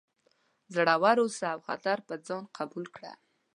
زړور اوسه او خطر په ځان قبول کړه.